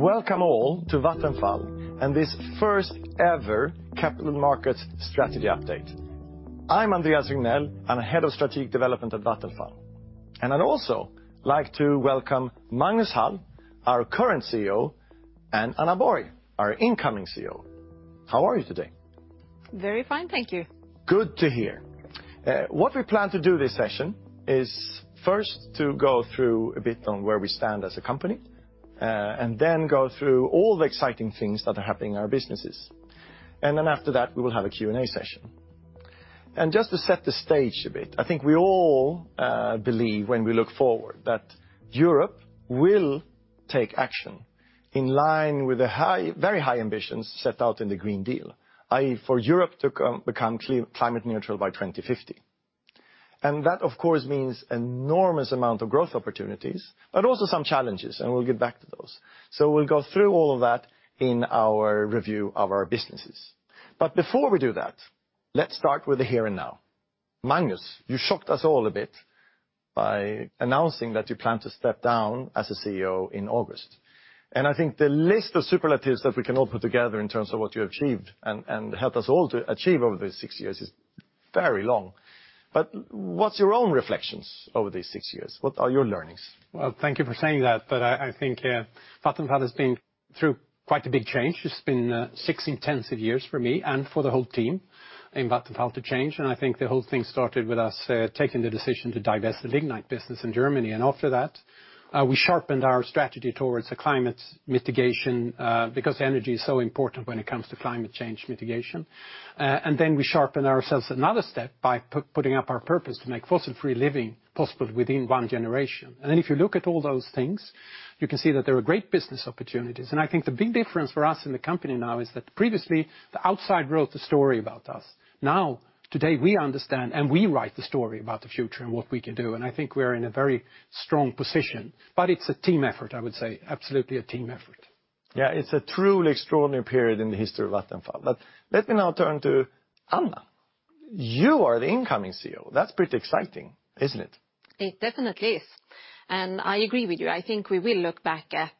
Welcome all to Vattenfall and this first-ever Capital Markets Strategy Update. I'm Andreas Regnell, I'm Head of Strategic Development at Vattenfall. I'd also like to welcome Magnus Hall, our current CEO, and Anna Borg, our incoming CEO. How are you today? Very fine, thank you. Good to hear. What we plan to do this session is first to go through a bit on where we stand as a company, and then go through all the exciting things that are happening in our businesses. Then after that, we will have a Q&A session. Just to set the stage a bit, I think we all believe when we look forward that Europe will take action in line with the very high ambitions set out in the European Green Deal, i.e., for Europe to become climate neutral by 2050. That, of course, means enormous amount of growth opportunities, but also some challenges, and we'll get back to those. We'll go through all of that in our review of our businesses. Before we do that, let's start with the here and now. Magnus, you shocked us all a bit by announcing that you plan to step down as the CEO in August. I think the list of superlatives that we can all put together in terms of what you achieved and helped us all to achieve over these six years is very long. What's your own reflections over these six years? What are your learnings? Well, thank you for saying that, but I think Vattenfall has been through quite a big change. It's been six intensive years for me and for the whole team in Vattenfall to change, and I think the whole thing started with us taking the decision to divest the lignite business in Germany. After that, we sharpened our strategy towards the climate mitigation, because energy is so important when it comes to climate change mitigation. Then we sharpened ourselves another step by putting up our purpose to make Fossil-free Living possible within one generation. If you look at all those things, you can see that there are great business opportunities. I think the big difference for us in the company now is that previously, the outside wrote the story about us. Today, we understand and we write the story about the future and what we can do, and I think we're in a very strong position. It's a team effort, I would say. Absolutely a team effort. Yeah, it's a truly extraordinary period in the history of Vattenfall. Let me now turn to Anna. You are the incoming CEO. That's pretty exciting, isn't it? It definitely is. I agree with you. I think we will look back at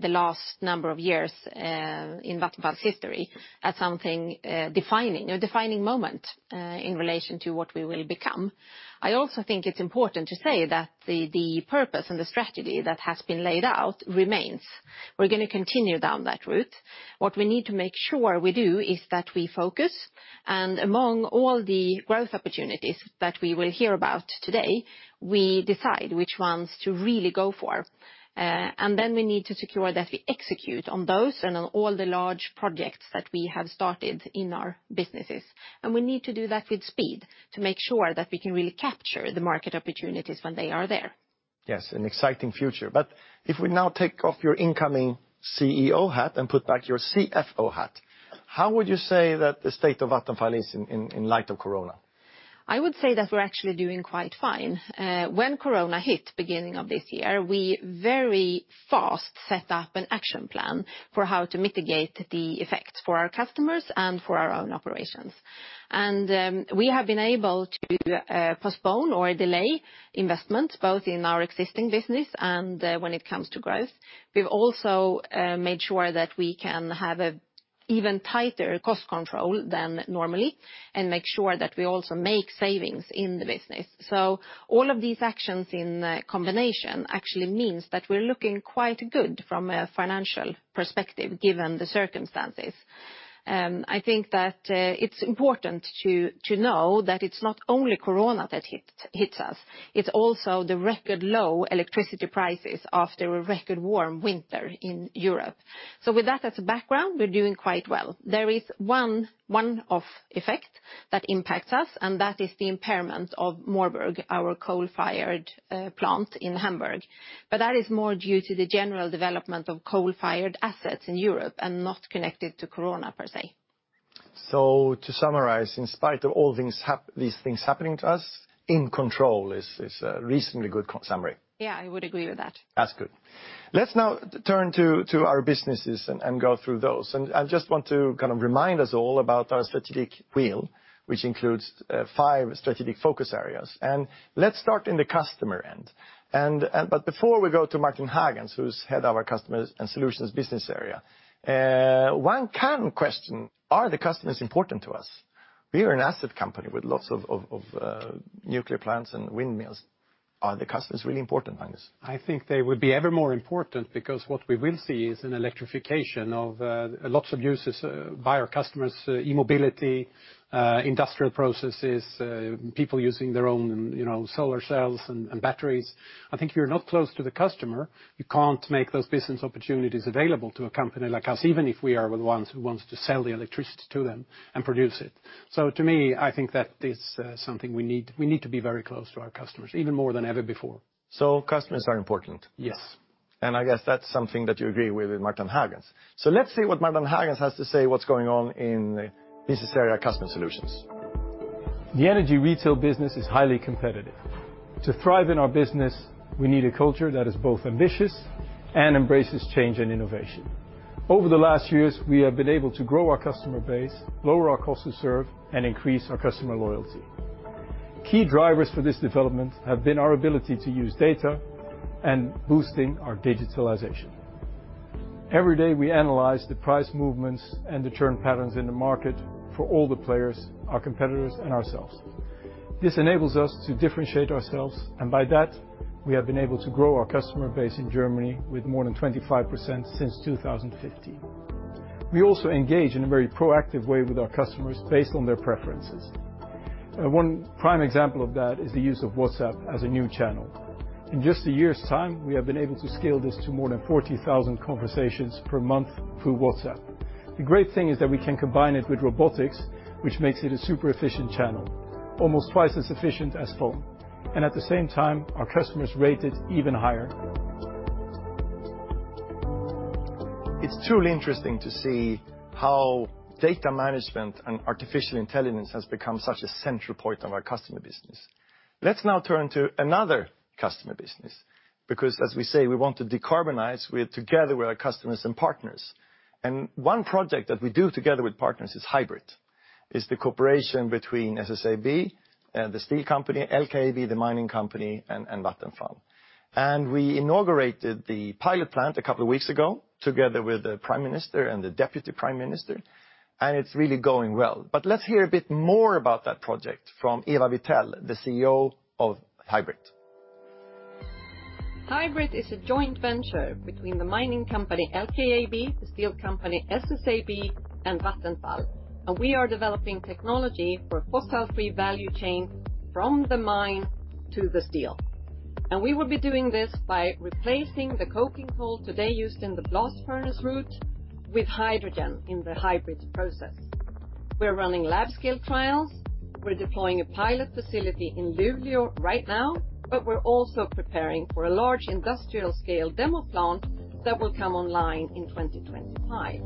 the last number of years in Vattenfall's history as something defining, a defining moment in relation to what we will become. I also think it's important to say that the purpose and the strategy that has been laid out remains. We're going to continue down that route. What we need to make sure we do is that we focus, and among all the growth opportunities that we will hear about today, we decide which ones to really go for. We need to secure that we execute on those and on all the large projects that we have started in our businesses. We need to do that with speed to make sure that we can really capture the market opportunities when they are there. Yes, an exciting future. If we now take off your incoming CEO hat and put back your CFO hat, how would you say that the state of Vattenfall is in light of COVID-19? I would say that we're actually doing quite fine. When COVID-19 hit beginning of this year, we very fast set up an action plan for how to mitigate the effect for our customers and for our own operations. We have been able to postpone or delay investments both in our existing business and when it comes to growth. We've also made sure that we can have an even tighter cost control than normally and make sure that we also make savings in the business. All of these actions in combination actually means that we're looking quite good from a financial perspective, given the circumstances. I think that it's important to know that it's not only COVID-19 that hits us. It's also the record low electricity prices after a record warm winter in Europe. With that as a background, we're doing quite well. There is one one-off effect that impacts us, and that is the impairment of Moorburg, our coal-fired plant in Hamburg. That is more due to the general development of coal-fired assets in Europe and not connected to COVID-19, per se. To summarize, in spite of all these things happening to us, in control is a reasonably good summary. Yeah, I would agree with that. That's good. Let's now turn to our businesses and go through those. I just want to kind of remind us all about our strategic wheel, which includes five strategic focus areas. Let's start in the customer end. Before we go to Martijn Hagens, who's Head of our Customers & Solutions business area, one can question, are the customers important to us? We are an asset company with lots of nuclear plants and windmills. Are the customers really important, Magnus? I think they would be ever more important because what we will see is an electrification of lots of uses by our customers, e-mobility, industrial processes, people using their own solar cells and batteries. I think if you're not close to the customer, you can't make those business opportunities available to a company like us, even if we are the ones who wants to sell the electricity to them and produce it. To me, I think that it's something we need. We need to be very close to our customers, even more than ever before. Customers are important. Yes. I guess that's something that you agree with Martijn Hagens. Let's see what Martijn Hagens has to say what's going on in Business Area Customers & Solutions. The energy retail business is highly competitive. To thrive in our business, we need a culture that is both ambitious and embraces change and innovation. Over the last years, we have been able to grow our customer base, lower our cost to serve, and increase our customer loyalty. Key drivers for this development have been our ability to use data and boosting our digitalization. Every day, we analyze the price movements and the churn patterns in the market for all the players, our competitors, and ourselves. This enables us to differentiate ourselves, and by that, we have been able to grow our customer base in Germany with more than 25% since 2015. We also engage in a very proactive way with our customers based on their preferences. One prime example of that is the use of WhatsApp as a new channel. In just a year's time, we have been able to scale this to more than 40,000 conversations per month through WhatsApp. The great thing is that we can combine it with robotics, which makes it a super efficient channel, almost twice as efficient as phone. At the same time, our customers rate it even higher. It's truly interesting to see how data management and artificial intelligence has become such a central point of our customer business. Let's now turn to another customer business, because as we say, we want to decarbonize together with our customers and partners. One project that we do together with partners is HYBRIT. It's the cooperation between SSAB, the steel company, LKAB, the mining company, and Vattenfall. We inaugurated the pilot plant a couple of weeks ago together with the prime minister and the deputy prime minister, and it's really going well. Let's hear a bit more about that project from Eva Vitell, the CEO of HYBRIT. HYBRIT is a joint venture between the mining company, LKAB, the steel company, SSAB, and Vattenfall, and we are developing technology for a fossil-free value chain from the mine to the steel. We will be doing this by replacing the coking coal today used in the blast furnace route with hydrogen in the HYBRIT process. We're running lab-scale trials. We're deploying a pilot facility in Luleå right now, but we're also preparing for a large industrial-scale demo plant that will come online in 2025.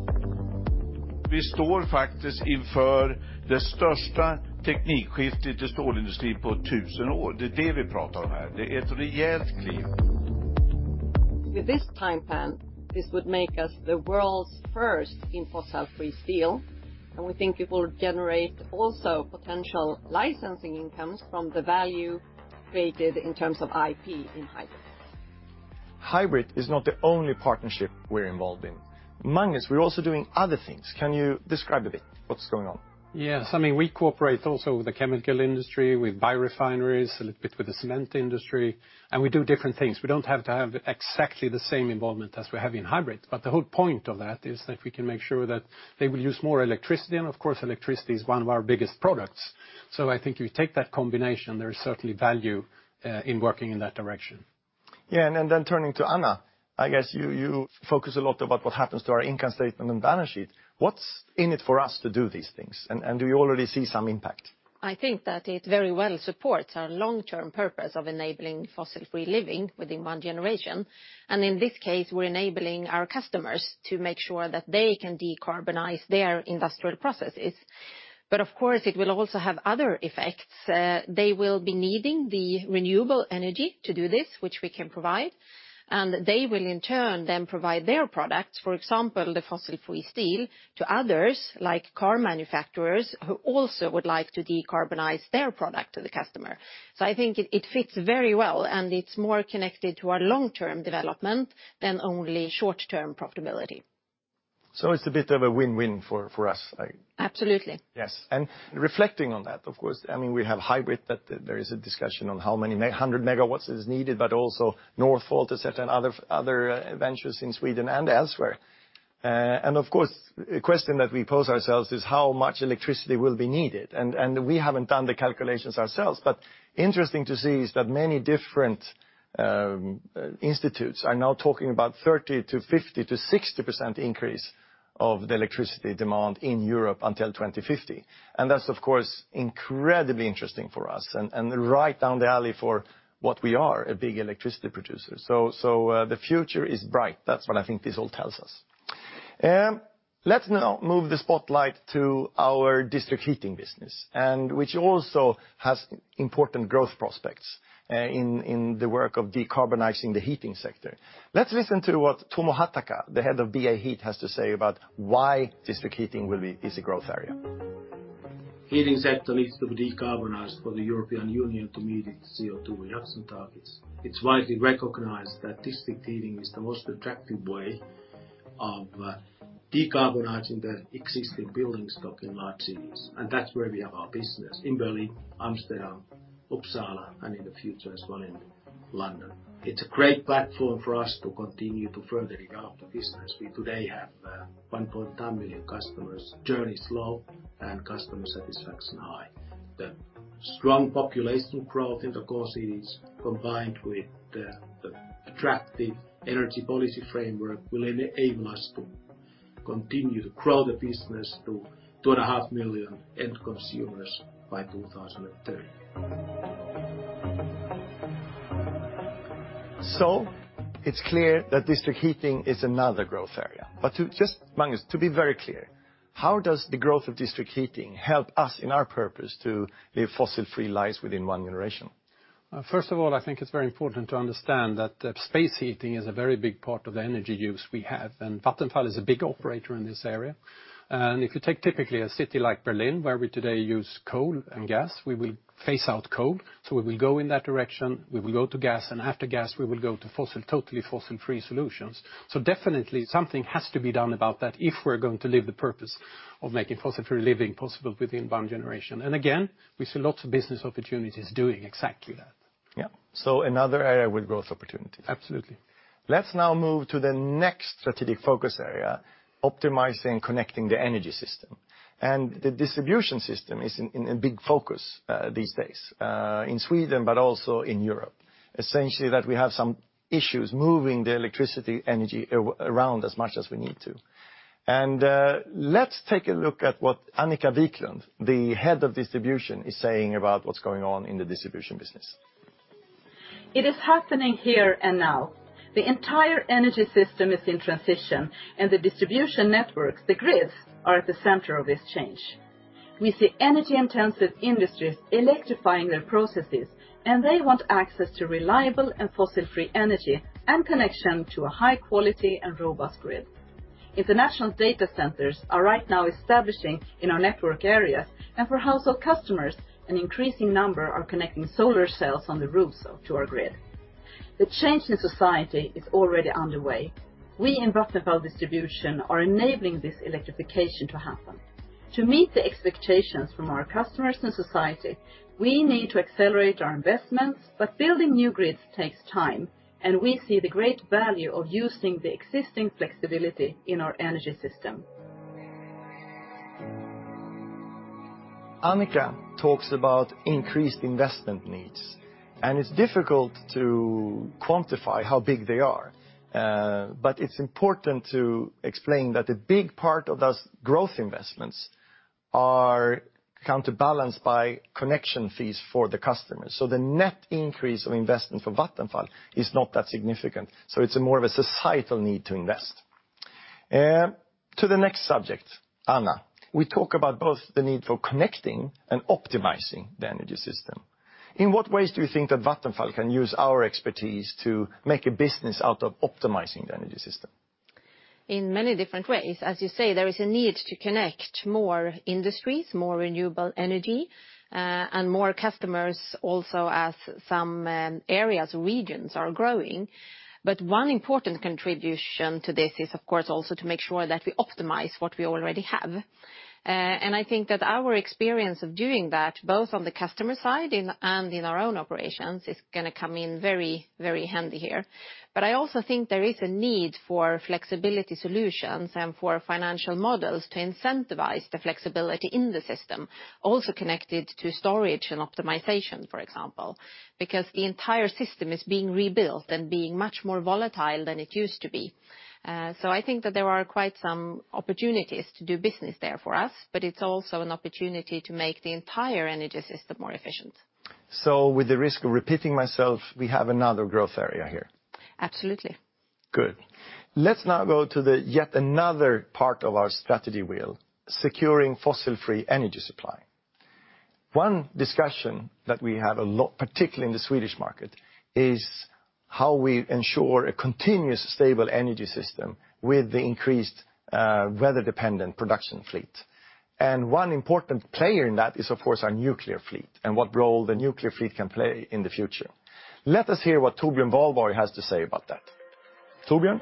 With this time span, this would make us the world's first in fossil-free steel, and we think it will generate also potential licensing incomes from the value created in terms of IP in HYBRIT. HYBRIT is not the only partnership we're involved in. Magnus, we're also doing other things. Can you describe a bit what's going on? Yes, we cooperate also with the chemical industry, with biorefineries, a little bit with the cement industry, and we do different things. We don't have to have exactly the same involvement as we have in HYBRIT, but the whole point of that is that we can make sure that they will use more electricity, and of course, electricity is one of our biggest products. So I think if you take that combination, there is certainly value in working in that direction. Turning to Anna, I guess you focus a lot about what happens to our income statement and balance sheet. What's in it for us to do these things? Do we already see some impact? I think that it very well supports our long-term purpose of enabling fossil-free living within one generation. In this case, we're enabling our customers to make sure that they can decarbonize their industrial processes. Of course, it will also have other effects. They will be needing the renewable energy to do this, which we can provide, and they will, in turn, then provide their products, for example, the fossil-free steel, to others, like car manufacturers, who also would like to decarbonize their product to the customer. I think it fits very well, and it's more connected to our long-term development than only short-term profitability. It's a bit of a win-win for us. Absolutely. Yes. Reflecting on that, of course, we have HYBRIT, that there is a discussion on how many 100 megawatts is needed, but also Northvolt is set on other ventures in Sweden and elsewhere. Of course, a question that we pose ourselves is how much electricity will be needed? We haven't done the calculations ourselves, but interesting to see is that many different institutes are now talking about 30%-50%-60% increase of the electricity demand in Europe until 2050. That's, of course, incredibly interesting for us and right down the alley for what we are, a big electricity producer. The future is bright. That's what I think this all tells us. Let's now move the spotlight to our district heating business, which also has important growth prospects in the work of decarbonizing the heating sector. Let's listen to what Tuomo Hatakka, the head of BA Heat, has to say about why district heating is a growth area. Heating sector needs to be decarbonized for the European Union to meet its CO2 reduction targets. It's widely recognized that district heating is the most attractive way of decarbonizing the existing building stock in large cities, and that's where we have our business, in Berlin, Amsterdam, Uppsala, and in the future as well in London. It's a great platform for us to continue to further develop the business. We today have 1.9 million customers, churn is low, and customer satisfaction high. The strong population growth in the core cities, combined with the attractive energy policy framework, will enable us to continue to grow the business to 2.5 million end consumers by 2030. It's clear that district heating is another growth area. Just, Magnus, to be very clear, how does the growth of district heating help us in our purpose to live fossil-free lives within one generation? First of all, I think it's very important to understand that space heating is a very big part of the energy use we have, and Vattenfall is a big operator in this area. If you take typically a city like Berlin, where we today use coal and gas, we will phase out coal. We will go in that direction. We will go to gas, and after gas, we will go to totally fossil-free solutions. Definitely something has to be done about that if we're going to live the purpose of making fossil-free living possible within one generation. Again, we see lots of business opportunities doing exactly that. Yeah. Another area with growth opportunities. Absolutely. Let's now move to the next strategic focus area, optimizing, connecting the energy system. The distribution system is in big focus these days, in Sweden, but also in Europe. Essentially that we have some issues moving the electricity energy around as much as we need to. Let's take a look at what Annika Viklund, the Head of Distribution, is saying about what's going on in the distribution business. It is happening here and now. The entire energy system is in transition, and the distribution networks, the grids, are at the center of this change. We see energy-intensive industries electrifying their processes, and they want access to reliable and fossil-free energy and connection to a high-quality and robust grid. International data centers are right now establishing in our network area, and for household customers, an increasing number are connecting solar cells on the roofs to our grid. The change in society is already underway. We in Vattenfall Distribution are enabling this electrification to happen. To meet the expectations from our customers and society, we need to accelerate our investments, but building new grids takes time, and we see the great value of using the existing flexibility in our energy system. Annika talks about increased investment needs, and it's difficult to quantify how big they are. It's important to explain that a big part of those growth investments are counterbalanced by connection fees for the customers. The net increase of investment for Vattenfall is not that significant. It's more of a societal need to invest. To the next subject, Anna, we talk about both the need for connecting and optimizing the energy system. In what ways do you think that Vattenfall can use our expertise to make a business out of optimizing the energy system? In many different ways. As you say, there is a need to connect more industries, more renewable energy, and more customers also as some areas, regions are growing. One important contribution to this is, of course, also to make sure that we optimize what we already have. I think that our experience of doing that, both on the customer side and in our own operations, is going to come in very handy here. I also think there is a need for flexibility solutions and for financial models to incentivize the flexibility in the system, also connected to storage and optimization, for example, because the entire system is being rebuilt and being much more volatile than it used to be. I think that there are quite some opportunities to do business there for us, but it's also an opportunity to make the entire energy system more efficient. With the risk of repeating myself, we have another growth area here. Absolutely. Good. Let's now go to yet another part of our strategy wheel, securing fossil-free energy supply. One discussion that we have a lot, particularly in the Swedish market, is how we ensure a continuous stable energy system with the increased weather-dependent production fleet. One important player in that is, of course, our nuclear fleet and what role the nuclear fleet can play in the future. Let us hear what Torbjörn Wahlborg has to say about that. Torbjörn?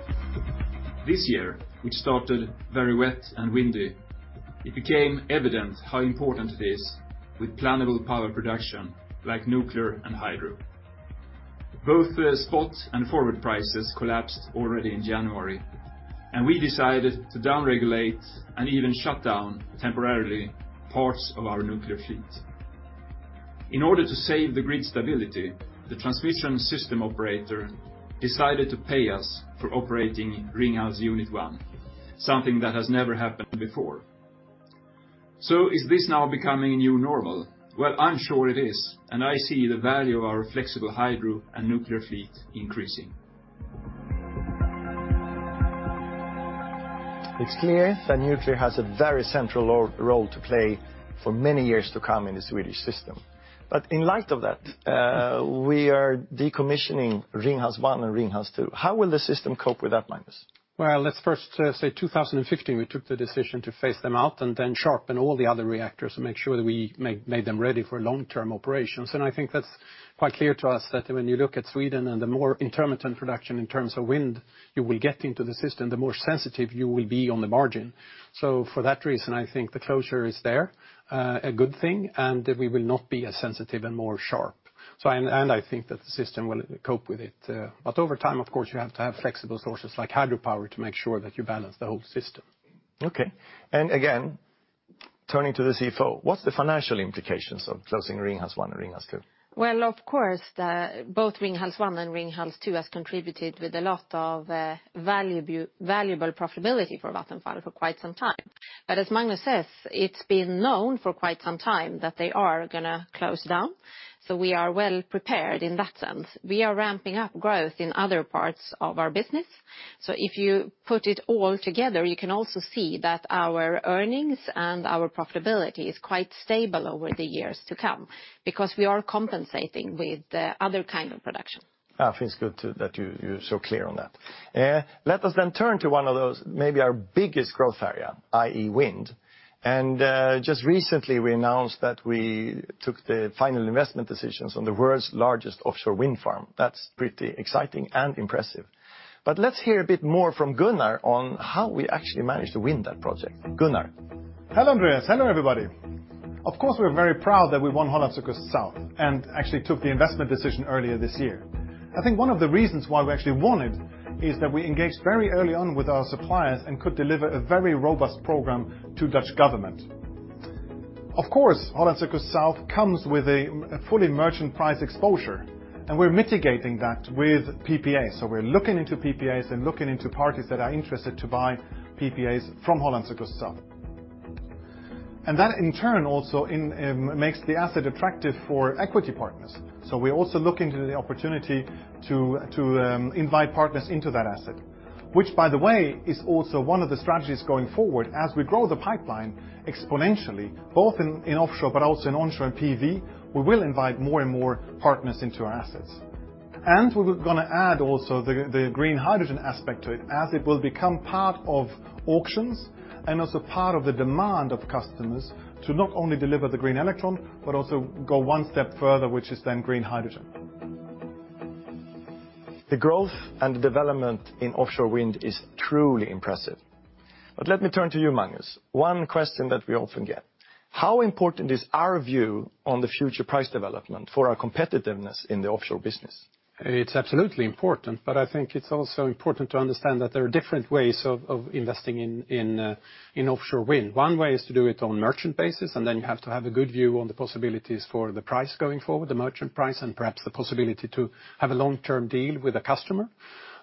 This year, which started very wet and windy, it became evident how important it is with plannable power production like nuclear and hydro. Both the spot and forward prices collapsed already in January. We decided to down-regulate and even shut down temporarily parts of our nuclear fleet. In order to save the grid stability, the transmission system operator decided to pay us for operating Ringhals 1, something that has never happened before. Is this now becoming a new normal? I'm sure it is, and I see the value of our flexible hydro and nuclear fleet increasing. It's clear that nuclear has a very central role to play for many years to come in the Swedish system. In light of that, we are decommissioning Ringhals 1 and Ringhals 2. How will the system cope with that, Magnus? Well, let's first say 2015, we took the decision to phase them out and then sharpen all the other reactors and make sure that we made them ready for long-term operations. I think that's quite clear to us that when you look at Sweden and the more intermittent production in terms of wind you will get into the system, the more sensitive you will be on the margin. For that reason, I think the closure is there, a good thing, and we will not be as sensitive and more sharp. I think that the system will cope with it. Over time, of course, you have to have flexible sources like hydropower to make sure that you balance the whole system. Okay. Again, turning to the CFO, what's the financial implications of closing Ringhals 1 and Ringhals 2? Well, of course, both Ringhals 1 and Ringhals 2 has contributed with a lot of valuable profitability for Vattenfall for quite some time. As Magnus says, it's been known for quite some time that they are going to close down. We are well-prepared in that sense. We are ramping up growth in other parts of our business. If you put it all together, you can also see that our earnings and our profitability is quite stable over the years to come, because we are compensating with other kinds of production. I think it's good that you're so clear on that. Let us then turn to one of those, maybe our biggest growth area, i.e. wind. Just recently we announced that we took the final investment decisions on the world's largest offshore wind farm. That's pretty exciting and impressive. Let's hear a bit more from Gunnar on how we actually managed to win that project. Gunnar? Hello, Andreas. Hello, everybody. Of course, we're very proud that we won Hollandse Kust Zuid, and actually took the investment decision earlier this year. I think one of the reasons why we actually won it is that we engaged very early on with our suppliers and could deliver a very robust program to Dutch government. Of course, Hollandse Kust Zuid comes with a fully merchant price exposure, and we're mitigating that with PPAs. We're looking into PPAs and looking into parties that are interested to buy PPAs from Hollandse Kust Zuid. That in turn also makes the asset attractive for equity partners. We're also looking to the opportunity to invite partners into that asset, which by the way, is also one of the strategies going forward as we grow the pipeline exponentially, both in offshore but also in onshore and PV, we will invite more and more partners into our assets. We're going to add also the green hydrogen aspect to it as it will become part of auctions and also part of the demand of customers to not only deliver the green electron, but also go one step further, which is then green hydrogen. The growth and development in offshore wind is truly impressive. Let me turn to you, Magnus. One question that we often get, how important is our view on the future price development for our competitiveness in the offshore business? It is absolutely important, but I think it is also important to understand that there are different ways of investing in offshore wind. One way is to do it on merchant basis, and then you have to have a good view on the possibilities for the price going forward, the merchant price, and perhaps the possibility to have a long-term deal with a customer.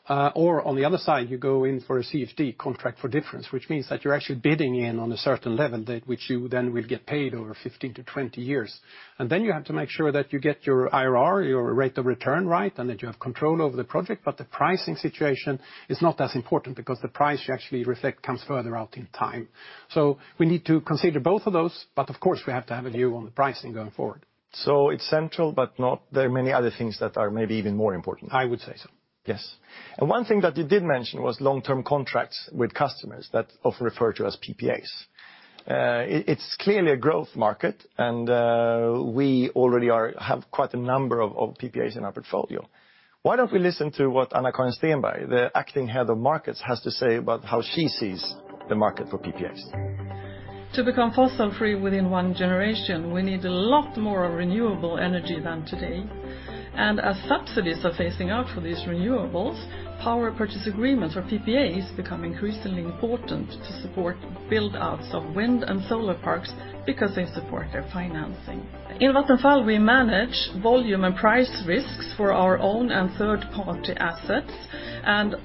Or on the other side, you go in for a CFD, contract for difference, which means that you are actually bidding in on a certain level that which you then will get paid over 15-20 years. Then you have to make sure that you get your IRR, your rate of return right, and that you have control over the project. The pricing situation is not as important because the price you actually reflect comes further out in time. We need to consider both of those, but of course, we have to have a view on the pricing going forward. It's central, but there are many other things that are maybe even more important. I would say so. Yes. One thing that you did mention was long-term contracts with customers that often referred to as PPAs. It's clearly a growth market, and we already have quite a number of PPAs in our portfolio. Why don't we listen to what Anna-Karin Stenberg, the acting head of markets, has to say about how she sees the market for PPAs? To become fossil-free within one generation, we need a lot more renewable energy than today. As subsidies are phasing out for these renewables, Power Purchase Agreements or PPAs become increasingly important to support build-outs of wind and solar parks because they support their financing. In Vattenfall, we manage volume and price risks for our own and third-party assets.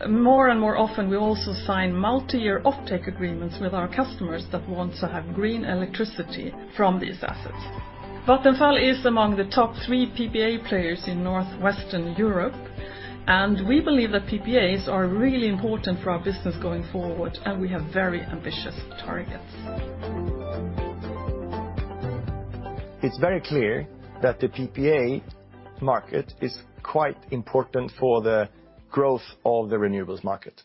More and more often, we also sign multi-year offtake agreements with our customers that want to have green electricity from these assets. Vattenfall is among the top three PPA players in Northwestern Europe. We believe that PPAs are really important for our business going forward. We have very ambitious targets. It's very clear that the PPA market is quite important for the growth of the renewables market.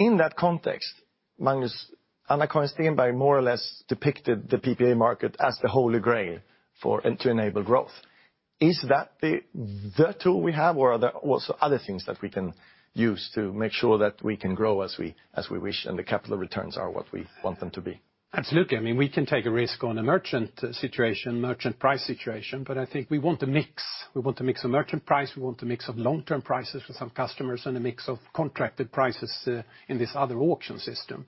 In that context, Magnus, Anna-Karin Stenberg more or less depicted the PPA market as the Holy Grail to enable growth. Is that the tool we have, or are there also other things that we can use to make sure that we can grow as we wish, and the capital returns are what we want them to be? Absolutely. We can take a risk on a merchant price situation, but I think we want a mix. We want a mix of merchant price, we want a mix of long-term prices with some customers, and a mix of contracted prices in this other auction system.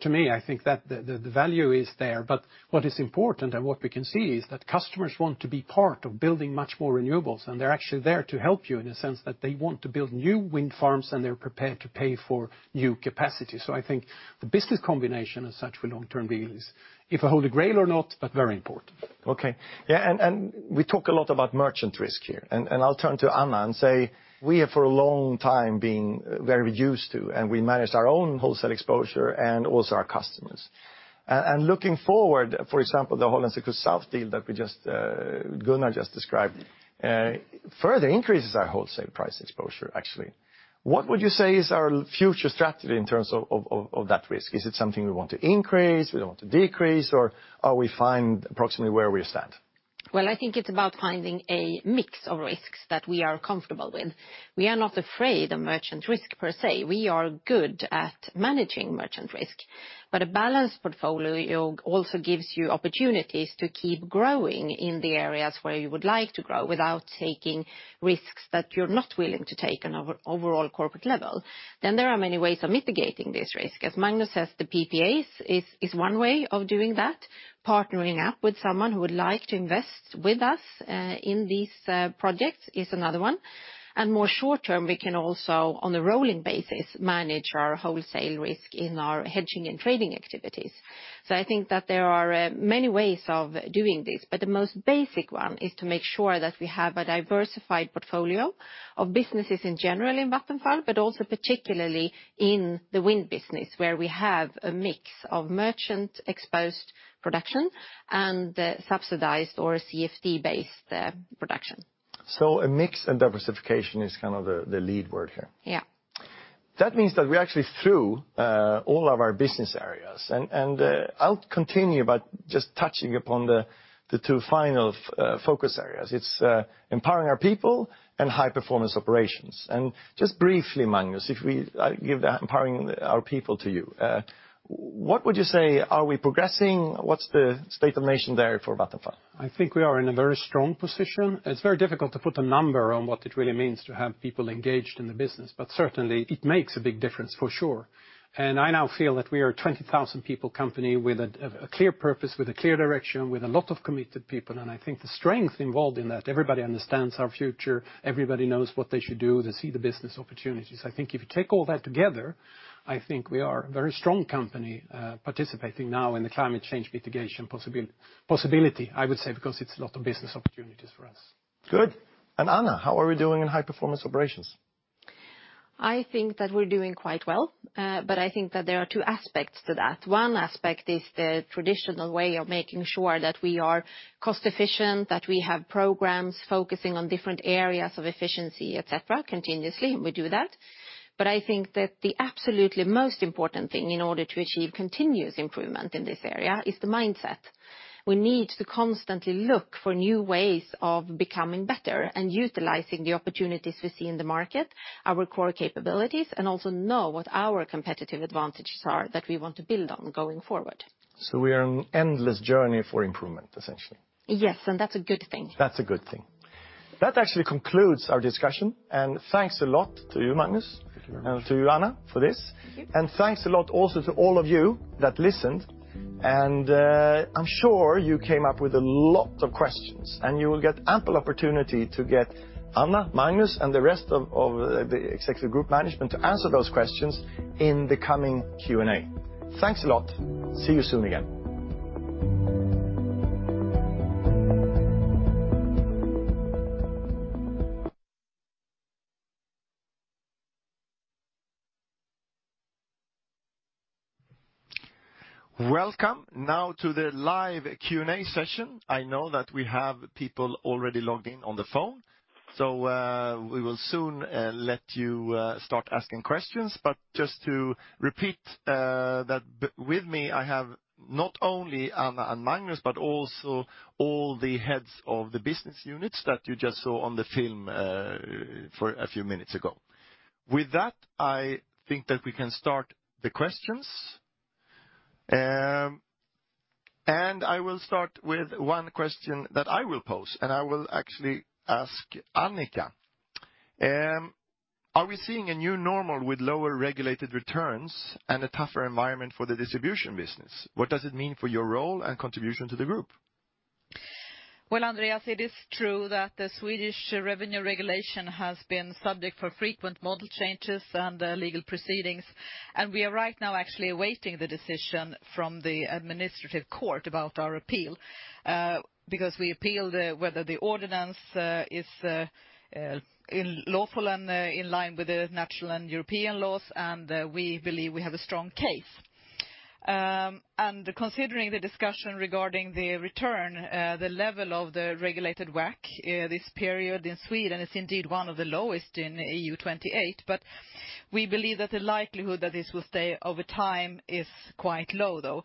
To me, I think that the value is there. What is important and what we can see is that customers want to be part of building much more renewables, and they're actually there to help you in a sense that they want to build new wind farms, and they're prepared to pay for new capacity. I think the business combination as such for long-term deals is, if a Holy Grail or not, but very important. Okay. We talk a lot about merchant risk here. I'll turn to Anna and say we have for a long time been very used to, and we manage our own wholesale exposure and also our customers. Looking forward, for example, the Hollandse Kust Zuid deal that Gunnar just described, further increases our wholesale price exposure, actually. What would you say is our future strategy in terms of that risk? Is it something we want to increase, we don't want to decrease, or are we fine approximately where we stand? Well, I think it's about finding a mix of risks that we are comfortable with. We are not afraid of merchant risk per se. We are good at managing merchant risk. A balanced portfolio also gives you opportunities to keep growing in the areas where you would like to grow without taking risks that you're not willing to take on an overall corporate level. There are many ways of mitigating this risk. As Magnus says, the PPAs is one way of doing that. Partnering up with someone who would like to invest with us in these projects is another one. More short-term, we can also, on a rolling basis, manage our wholesale risk in our hedging and trading activities. I think that there are many ways of doing this, but the most basic one is to make sure that we have a diversified portfolio of businesses in general in Vattenfall, but also particularly in the wind business, where we have a mix of merchant-exposed production and subsidized or CFD-based production. A mix and diversification is kind of the lead word here. Yeah. That means that we actually threw all of our business areas, and I'll continue by just touching upon the two final focus areas. It's empowering our people and high performance operations. Just briefly, Magnus, if we give the empowering our people to you, what would you say? Are we progressing? What's the state of nation there for Vattenfall? I think we are in a very strong position. It's very difficult to put a number on what it really means to have people engaged in the business, but certainly it makes a big difference for sure. I now feel that we are a 20,000 people company with a clear purpose, with a clear direction, with a lot of committed people, and I think the strength involved in that, everybody understands our future. Everybody knows what they should do. They see the business opportunities. I think if you take all that together, I think we are a very strong company, participating now in the climate change mitigation possibility, I would say, because it's a lot of business opportunities for us. Good. Anna, how are we doing in high performance operations? I think that we're doing quite well. I think that there are two aspects to that. One aspect is the traditional way of making sure that we are cost efficient, that we have programs focusing on different areas of efficiency, et cetera, continuously, and we do that. I think that the absolutely most important thing in order to achieve continuous improvement in this area is the mindset. We need to constantly look for new ways of becoming better and utilizing the opportunities we see in the market, our core capabilities, and also know what our competitive advantages are that we want to build on going forward. We are on an endless journey for improvement, essentially. Yes, and that's a good thing. That's a good thing. That actually concludes our discussion. Thanks a lot to you, Magnus. Thank you very much. To you, Anna, for this. Thank you. Thanks a lot also to all of you that listened, and I'm sure you came up with a lot of questions, and you will get ample opportunity to get Anna, Magnus, and the rest of the Executive Group Management to answer those questions in the coming Q&A. Thanks a lot. See you soon again. Welcome now to the live Q&A session. I know that we have people already logged in on the phone, so we will soon let you start asking questions. Just to repeat that with me, I have not only Anna and Magnus, but also all the heads of the business units that you just saw on the film a few minutes ago. With that, I think that we can start the questions. I will start with one question that I will pose, and I will actually ask Annika. Are we seeing a new normal with lower regulated returns and a tougher environment for the distribution business? What does it mean for your role and contribution to the group? Well, Andreas, it is true that the Swedish revenue regulation has been subject for frequent model changes and legal proceedings. We are right now actually awaiting the decision from the administrative court about our appeal. We appealed whether the ordinance is lawful and in line with the national and European laws. We believe we have a strong case. Considering the discussion regarding the return, the level of the regulated WACC this period in Sweden is indeed one of the lowest in EU 28. We believe that the likelihood that this will stay over time is quite low, though.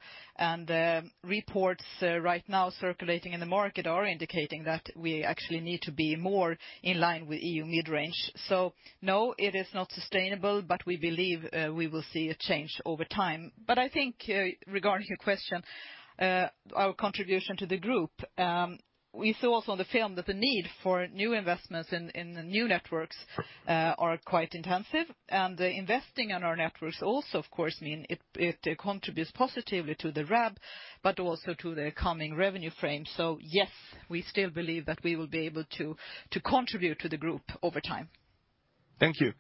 Reports right now circulating in the market are indicating that we actually need to be more in line with EU mid-range. No, it is not sustainable. We believe we will see a change over time. I think regarding your question, our contribution to the group, we saw also on the film that the need for new investments in the new networks are quite intensive, and investing in our networks also, of course, mean it contributes positively to the RAB, but also to the coming revenue frame. Yes, we still believe that we will be able to contribute to the group over time. Thank you.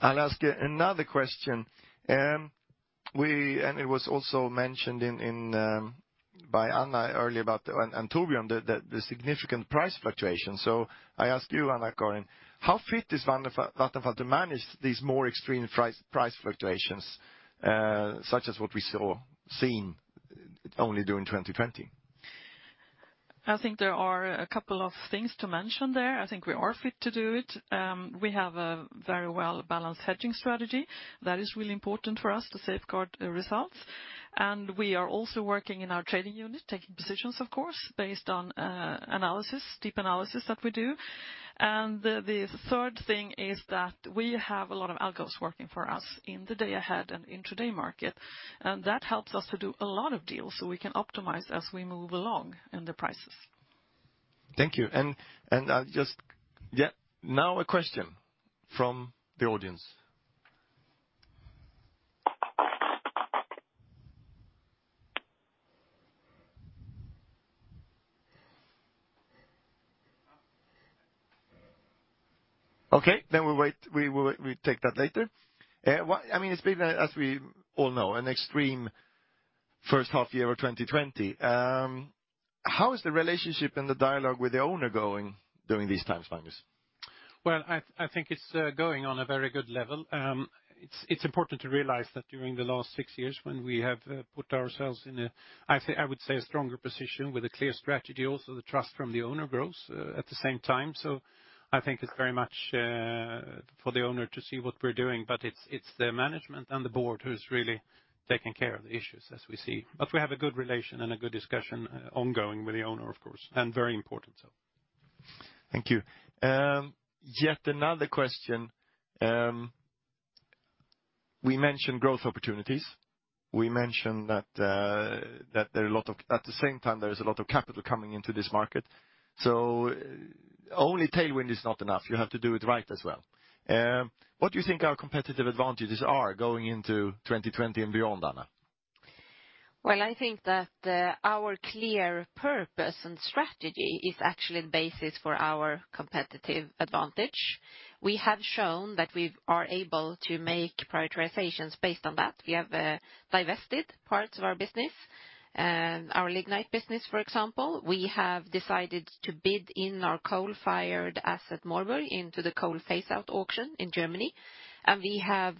I'll ask another question. It was also mentioned by Anna earlier about, and Torbjörn, the significant price fluctuation. I ask you, Anna-Karin, how fit is Vattenfall to manage these more extreme price fluctuations, such as what we saw seen only during 2020? I think there are a couple of things to mention there. I think we are fit to do it. We have a very well-balanced hedging strategy. That is really important for us to safeguard the results. We are also working in our trading unit, taking positions, of course, based on analysis, deep analysis that we do. The third thing is that we have a lot of algos working for us in the day ahead and intraday market, and that helps us to do a lot of deals so we can optimize as we move along in the prices. Thank you. I'll just-- Now a question from the audience. Okay, we'll wait, we take that later. It's been, as we all know, an extreme first half year of 2020. How is the relationship and the dialogue with the owner going during these times, Magnus? Well, I think it's going on a very good level. It's important to realize that during the last six years, when we have put ourselves in, I would say, a stronger position with a clear strategy, also the trust from the owner grows at the same time. I think it's very much for the owner to see what we're doing, but it's the management and the board who's really taking care of the issues as we see. We have a good relation and a good discussion ongoing with the owner, of course, and very important. Thank you. Yet another question. We mentioned growth opportunities. We mentioned that at the same time, there is a lot of capital coming into this market. Only tailwind is not enough. You have to do it right as well. What do you think our competitive advantages are going into 2020 and beyond, Anna? I think that our clear purpose and strategy is actually the basis for our competitive advantage. We have shown that we are able to make prioritizations based on that. We have divested parts of our business, our lignite business, for example. We have decided to bid in our coal-fired asset, Moorburg, into the coal phase-out auction in Germany. We have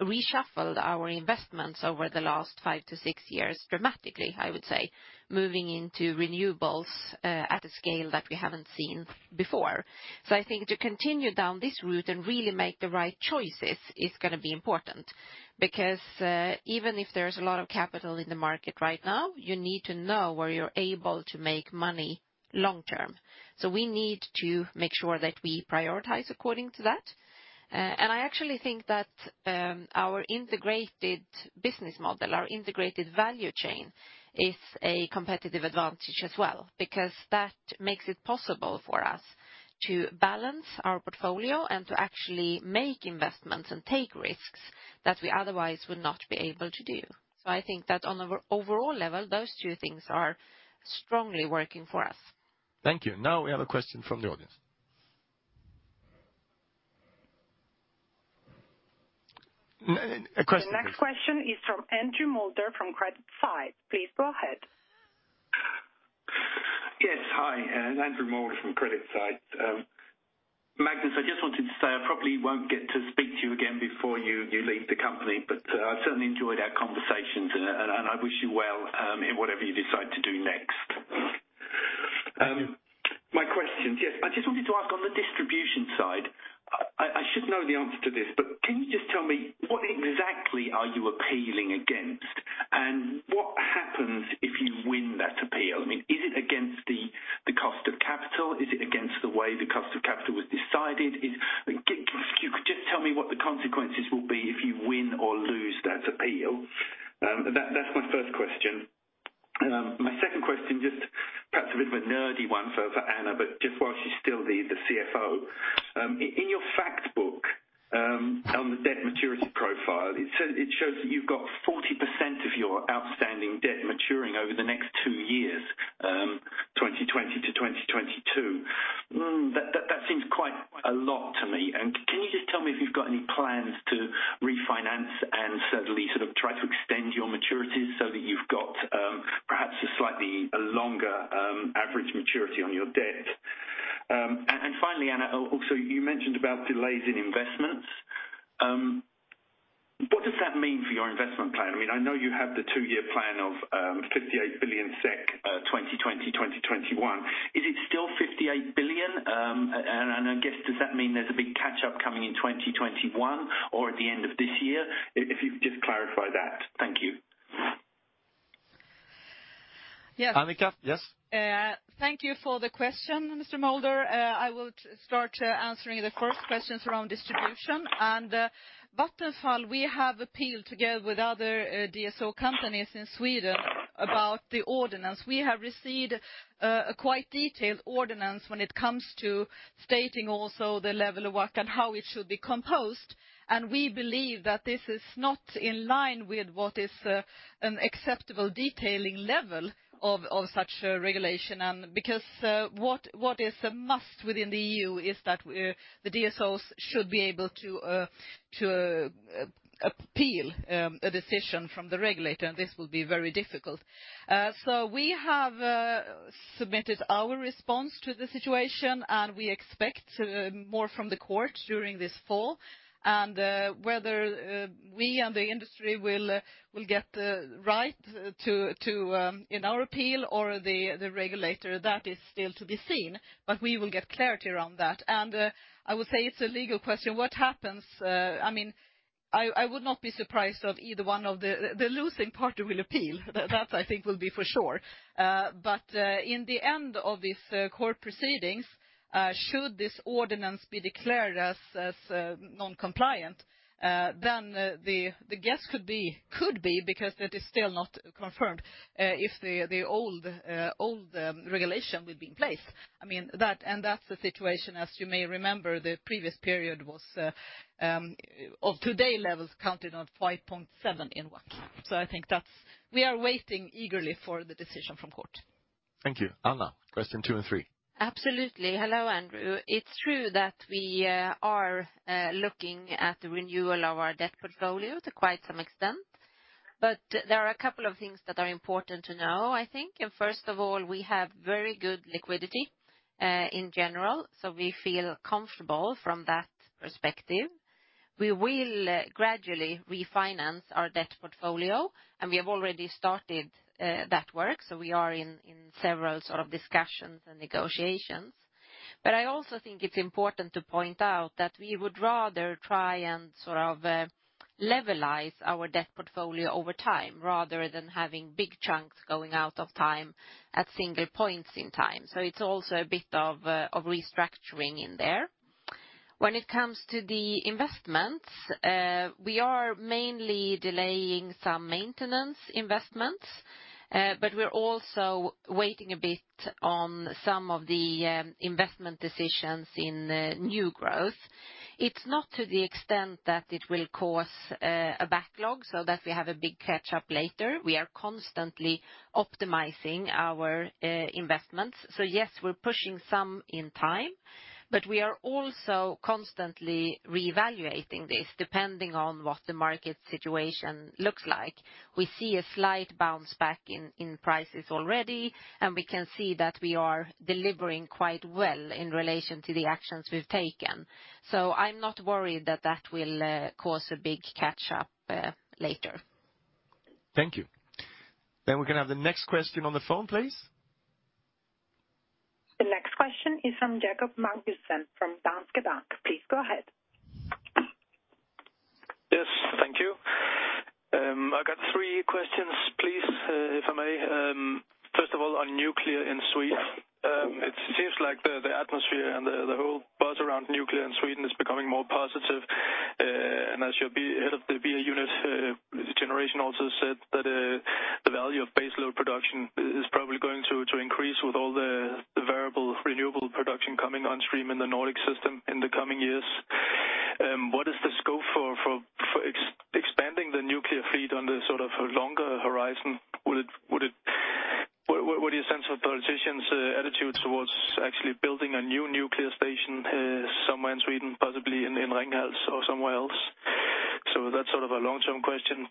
reshuffled our investments over the last five to six years dramatically, I would say, moving into renewables at a scale that we haven't seen before. I think to continue down this route and really make the right choices is going to be important, because even if there's a lot of capital in the market right now, you need to know where you're able to make money long-term. We need to make sure that we prioritize according to that. I actually think that our integrated business model, our integrated value chain, is a competitive advantage as well, because that makes it possible for us to balance our portfolio and to actually make investments and take risks that we otherwise would not be able to do. I think that on an overall level, those two things are strongly working for us. Thank you. Now we have a question from the audience. A question, please. The next question is from Andrew Moulder from CreditSights. Please go ahead. Yes. Hi, Andrew Moulder from CreditSights. Magnus, I just wanted to say I probably won't get to speak to you again before you leave the company, but I've certainly enjoyed our conversations, and I wish you well in whatever you decide to do next. My questions, yes. I just wanted to ask on the distribution side, I should know the answer to this, but can you just tell me what exactly are you appealing against? What happens if you win that appeal? Is it against the cost of capital? Is it against the way the cost of capital was decided? If you could just tell me what the consequences will be if you win or lose that appeal. That's my first question. My second question, just perhaps a bit of a nerdy one for Anna, but just while she's still the CFO. In your fact book, on the debt maturity profile, it shows that you've got 40% of your outstanding debt maturing over the next two years, 2020-2022. That seems quite a lot to me. Can you just tell me if you've got any plans to refinance and certainly try to extend your maturities so that you've got perhaps a slightly longer average maturity on your debt? Finally, Anna, also, you mentioned about delays in investments. What does that mean for your investment plan? I know you have the two-year plan of 58 billion SEK, 2020, 2021. Is it still 58 billion? I guess, does that mean there's a big catch-up coming in 2021 or at the end of this year? If you could just clarify that. Thank you. Yes. Annika, yes. Thank you for the question, Mr. Moulder. I will start answering the first questions around distribution. Vattenfall, we have appealed together with other DSO companies in Sweden about the ordinance. We have received a quite detailed ordinance when it comes to stating also the level of WACC and how it should be composed. We believe that this is not in line with what is an acceptable detailing level of such a regulation. Because what is a must within the EU is that the DSOs should be able to appeal a decision from the regulator, and this will be very difficult. We have submitted our response to the situation, and we expect more from the court during this fall. Whether we and the industry will get the right in our appeal or the regulator, that is still to be seen, but we will get clarity around that. I would say it's a legal question. What happens, I would not be surprised of. The losing party will appeal. That, I think, will be for sure. In the end of this court proceedings, should this ordinance be declared as non-compliant, then the guess could be, because that is still not confirmed, if the old regulation will be in place. That's the situation, as you may remember, the previous period was of today levels counted on 5.7 in WACC. We are waiting eagerly for the decision from court. Thank you. Anna, question two and three. Absolutely. Hello, Andrew. It's true that we are looking at the renewal of our debt portfolio to quite some extent. There are a couple of things that are important to know, I think. First of all, we have very good liquidity, in general, so we feel comfortable from that perspective. We will gradually refinance our debt portfolio, and we have already started that work, so we are in several sort of discussions and negotiations. I also think it's important to point out that we would rather try and levelize our debt portfolio over time rather than having big chunks going out of time at single points in time. It's also a bit of restructuring in there. When it comes to the investments, we are mainly delaying some maintenance investments, but we're also waiting a bit on some of the investment decisions in new growth. It's not to the extent that it will cause a backlog so that we have a big catch-up later. We are constantly optimizing our investments. Yes, we're pushing some in time, but we are also constantly reevaluating this depending on what the market situation looks like. We see a slight bounce back in prices already, and we can see that we are delivering quite well in relation to the actions we've taken. I'm not worried that that will cause a big catch-up later. Thank you. We're going to have the next question on the phone, please. The next question is from Jakob Magnussen from Danske Bank. Please go ahead. Yes, thank you. I got three questions, please, if I may. First of all, on nuclear in Sweden. It seems like the atmosphere and the whole buzz around nuclear in Sweden is becoming more positive. As your head of the BA unit Generation also said that the value of baseload production is probably going to increase with all the variable renewable production coming on stream in the Nordic system in the coming years. What is the scope for expanding the nuclear fleet on the sort of longer horizon? What is your sense of politicians' attitude towards actually building a new nuclear station somewhere in Sweden, possibly in Ringhals or somewhere else? That's sort of a long-term question.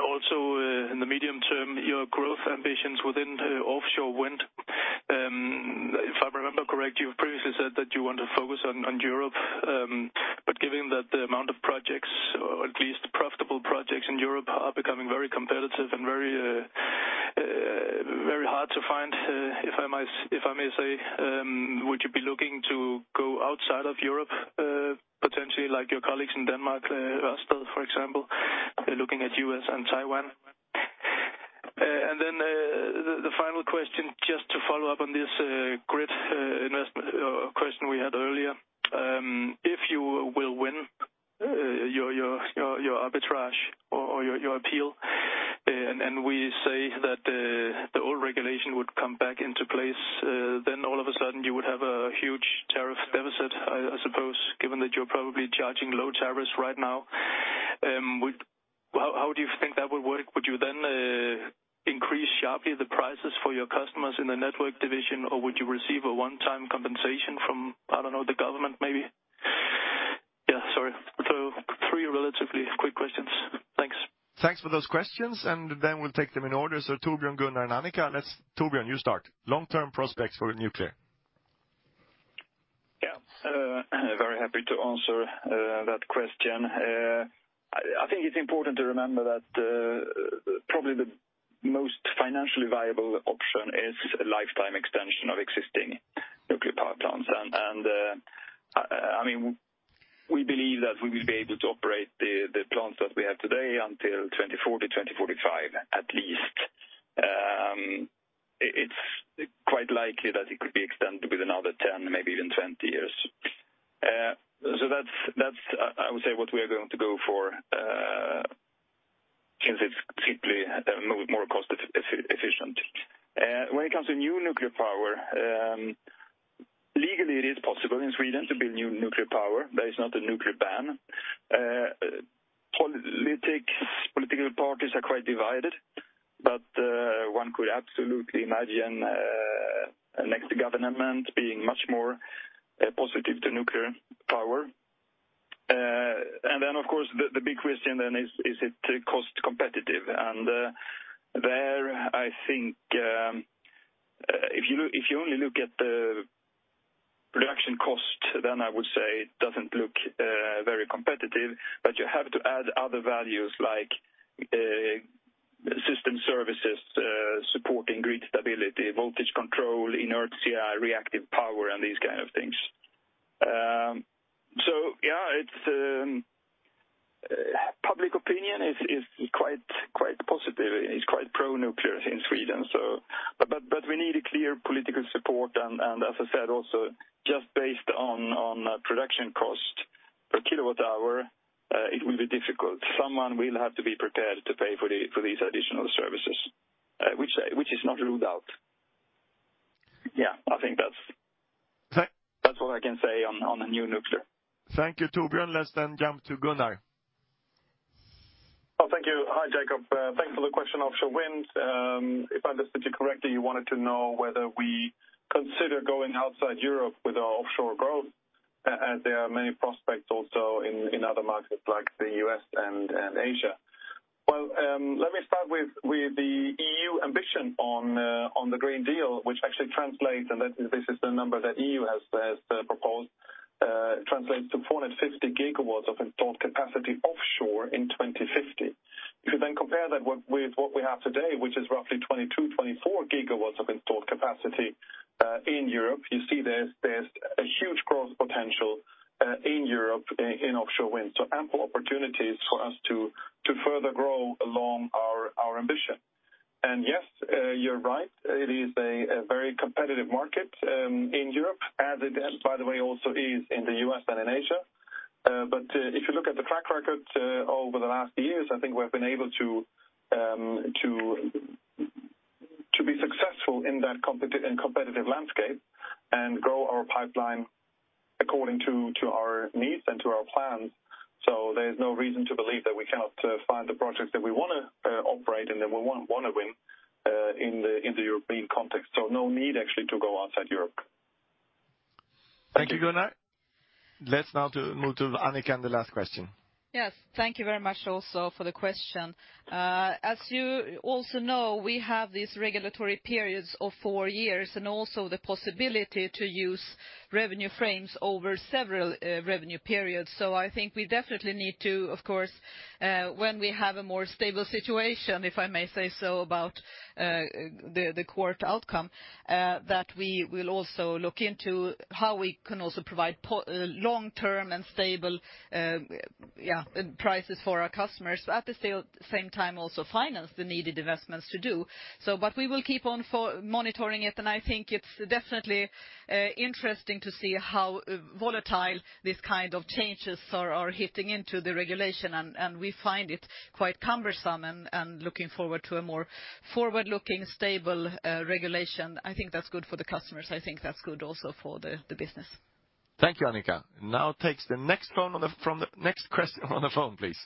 Also in the medium term, your growth ambitions within offshore wind. If I remember correct, you've previously said that you want to focus on Europe. Given that the amount of projects, or at least profitable projects in Europe, are becoming very competitive and very hard to find, if I may say, would you be looking to go outside of Europe, potentially like your colleagues in Denmark, Ørsted, for example, looking at U.S. and Taiwan? The final question, just to follow up on this grid investment question we had earlier. If you will win your arbitrage or your appeal, and we say that the old regulation would come back into place, then all of a sudden you would have a huge tariff deficit, I suppose, given that you're probably charging low tariffs right now. How do you think that would work? Would you then increase sharply the prices for your customers in the network division, or would you receive a one-time compensation from, I don't know, the government maybe? Yeah, sorry. Three relatively quick questions. Thanks. Thanks for those questions. We'll take them in order. Torbjörn, Gunnar, and Annika. Torbjörn, you start. Long-term prospects for nuclear. Yeah. Very happy to answer that question. I think it's important to remember that probably the most financially viable option is a lifetime extension of existing nuclear power plants. We believe that we will be able to operate the plants that we have today until 2040, 2045, at least. It's quite likely that it could be extended with another 10, maybe even 20 years. That's, I would say, what we are going to go for, since it's simply more cost-efficient. When it comes to new nuclear power, legally it is possible in Sweden to build new nuclear power. There is not a nuclear ban. Political parties are quite divided, but one could absolutely imagine a next government being much more positive to nuclear power. Then, of course, the big question then is it cost competitive? There, I think, if you only look at the production cost, I would say it doesn't look very competitive. You have to add other values like system services, supporting grid stability, voltage control, inertia, reactive power, and these kind of things. Public opinion is quite positive, is quite pro-nuclear in Sweden. We need a clear political support and, as I said, also, just based on production cost per kilowatt hour, it will be difficult. Someone will have to be prepared to pay for these additional services, which is not ruled out. I think that's all I can say on the new nuclear. Thank you, Torbjörn. Let's then jump to Gunnar. Oh, thank you. Hi, Jakob. Thanks for the question. Offshore wind. If I understood you correctly, you wanted to know whether we consider going outside Europe with our offshore growth? There are many prospects also in other markets like the U.S. and Asia. Well, let me start with the EU ambition on the Green Deal, which actually translates, and this is the number that EU has proposed, translates to 450 GW of installed capacity offshore in 2050. If you compare that with what we have today, which is roughly 22, 24 GW of installed capacity, in Europe, you see there's a huge growth potential in Europe in offshore wind. Ample opportunities for us to further grow along our ambition. Yes, you're right, it is a very competitive market, in Europe as it, by the way, also is in the U.S. and in Asia. If you look at the track record over the last years, I think we've been able to be successful in that competitive landscape and grow our pipeline according to our needs and to our plans. There's no reason to believe that we cannot find the projects that we want to operate and that we want to win, in the European context. No need actually to go outside Europe. Thank you, Gunnar. Let's now move to Annika and the last question. Yes, thank you very much also for the question. As you also know, we have these regulatory periods of four years and also the possibility to use revenue frames over several revenue periods. I think we definitely need to, of course, when we have a more stable situation, if I may say so, about the quarter outcome, that we will also look into how we can also provide long-term and stable prices for our customers. At the same time, also finance the needed investments to do. We will keep on monitoring it, and I think it's definitely interesting to see how volatile these kind of changes are hitting into the regulation, and we find it quite cumbersome and looking forward to a more forward-looking, stable regulation. I think that's good for the customers. I think that's good also for the business. Thank you, Annika. Take the next question on the phone, please.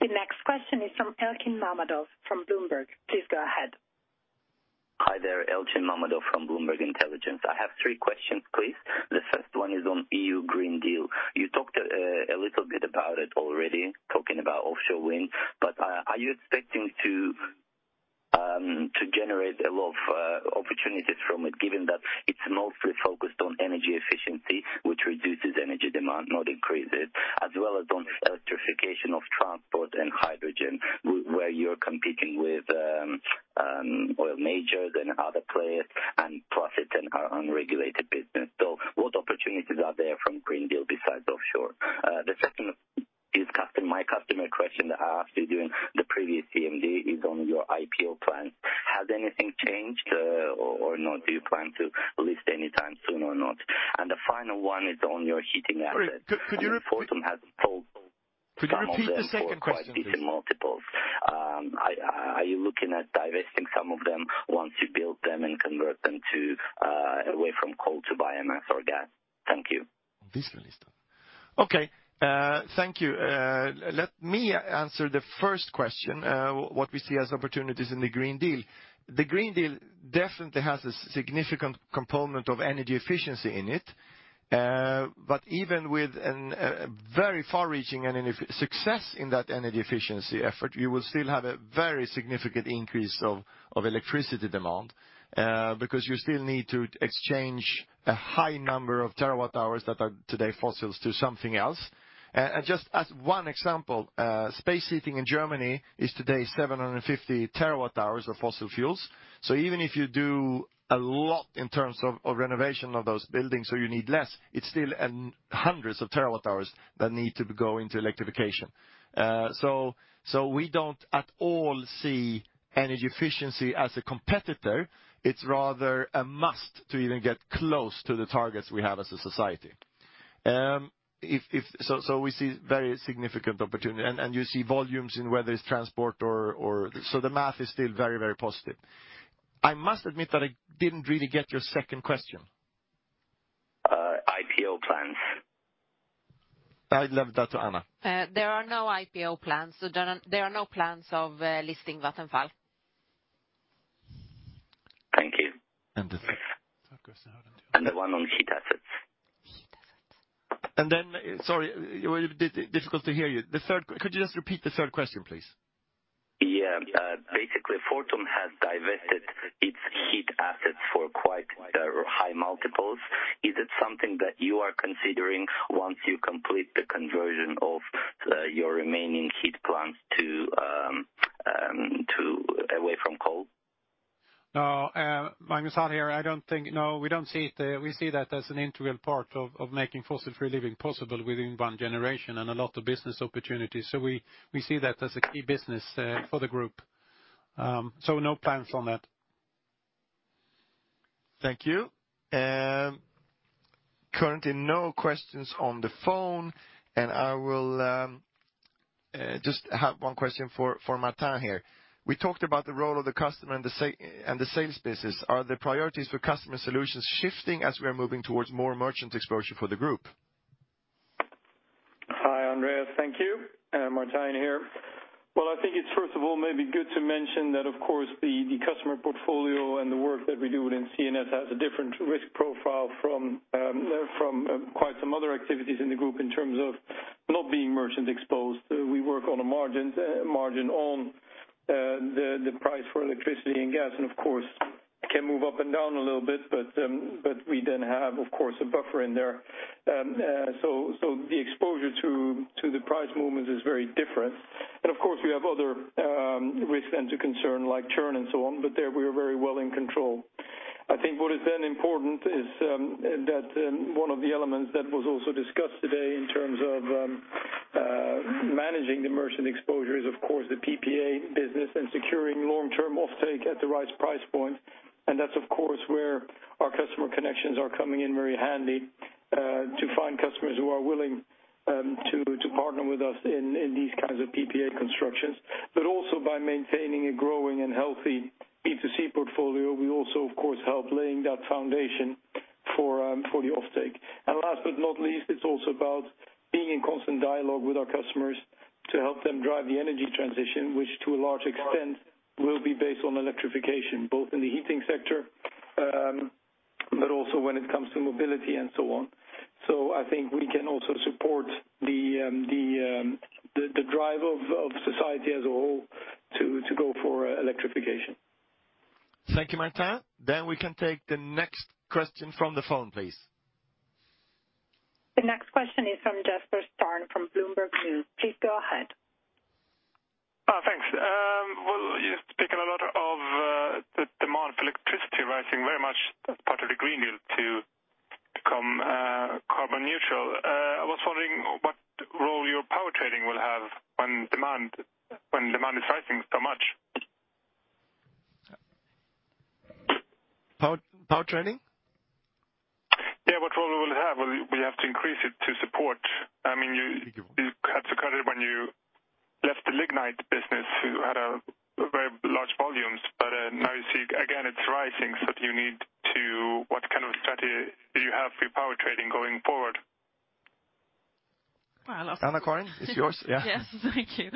The next question is from Elchin Mammadov from Bloomberg. Please go ahead. Hi there, Elchin Mammadov from Bloomberg Intelligence. I have three questions, please. The first one is on European Green Deal. You talked a little bit about it already, talking about offshore wind, but are you expecting to generate a lot of opportunities from it, given that it's mostly focused on energy efficiency, which reduces energy demand, not increase it, as well as on electrification of transport and hydrogen, where you're competing with oil majors and other players, and plus it's an unregulated business. What opportunities are there from European Green Deal besides offshore? The second is my customer question that I asked you during the previous CMD, is on your IPO plans. Has anything changed or not? Do you plan to list anytime soon or not? The final one is on your heating assets. Could you repeat the second question, please? Fortum has sold some of them for quite different multiples. Are you looking at divesting some of them once you build them and convert them away from coal to biomass or gas? Thank you. Okay. Thank you. Let me answer the first question, what we see as opportunities in the Green Deal. Even with a very far-reaching and success in that energy efficiency effort, you will still have a very significant increase of electricity demand, because you still need to exchange a high number of terawatt-hours that are today fossils to something else. Just as one example, space heating in Germany is today 750 terawatt-hours of fossil fuels. Even if you do a lot in terms of renovation of those buildings, so you need less, it's still hundreds of terawatt-hours that need to go into electrification. We don't at all see energy efficiency as a competitor. It's rather a must to even get close to the targets we have as a society. We see very significant opportunity and you see volumes in whether it's transport or. The math is still very, very positive. I must admit that I didn't really get your second question. IPO plans. I leave that to Anna. There are no IPO plans. There are no plans of listing Vattenfall. Thank you. The third? The one on heat assets. Then, sorry, difficult to hear you. Could you just repeat the third question, please? Yeah. Basically, Fortum has divested its heat assets for quite high multiples. Is it something that you are considering once you complete the conversion of your remaining heat plants away from coal? No. Magnus here. We see that as an integral part of making fossil free living possible within one generation and a lot of business opportunities. We see that as a key business for the group. No plans on that. Thank you. Currently, no questions on the phone, I will just have one question for Martijn here. We talked about the role of the customer and the sales business. Are the priorities for Customers & Solutions shifting as we are moving towards more merchant exposure for the group? Yes. Thank you. Martijn here. Well, I think it's first of all maybe good to mention that, of course, the customer portfolio and the work that we do within C&S has a different risk profile from quite some other activities in the group in terms of not being merchant-exposed. We work on a margin on the price for electricity and gas, and of course, it can move up and down a little bit. We then have, of course, a buffer in there. The exposure to the price movement is very different. Of course, we have other risks and concern like churn and so on, but there we are very well in control. I think what is important is that one of the elements that was also discussed today in terms of managing the merchant exposure is, of course, the PPA business and securing long-term offtake at the right price point. That's, of course, where our customer connections are coming in very handy, to find customers who are willing to partner with us in these kinds of PPA constructions. Also by maintaining a growing and healthy B2C portfolio, we also, of course, help laying that foundation for the offtake. Last but not least, it's also about being in constant dialogue with our customers to help them drive the energy transition, which to a large extent will be based on electrification, both in the heating sector, but also when it comes to mobility and so on. I think we can also support the drive of society as a whole to go for electrification. Thank you, Martijn. We can take the next question from the phone, please. The next question is from Jesper Starn from Bloomberg News. Please go ahead. Thanks. Well, you're speaking a lot of the demand for electricity rising very much as part of the European Green Deal to become carbon neutral. I was wondering what role your power trading will have when demand is rising so much? Power trading? Yeah. What role it will have? Will you have to increase it to support? You had to cut it when you left the lignite business, you had very large volumes, but now you see, again, it's rising. What kind of strategy do you have for your power trading going forward? Anna-Karin, it's yours. Yeah. Yes. Thank you.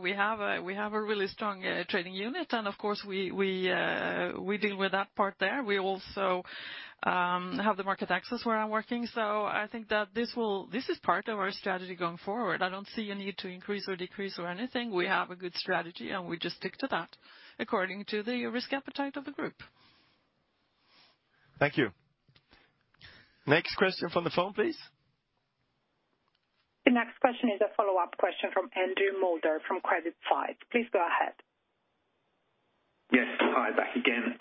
We have a really strong trading unit. Of course, we deal with that part there. We also have the market access where I'm working. I think that this is part of our strategy going forward. I don't see a need to increase or decrease or anything. We have a good strategy, we just stick to that according to the risk appetite of the group. Thank you. Next question from the phone, please. The next question is a follow-up question from Andrew Moulder from CreditSights. Please go ahead. Yes. Hi, back again.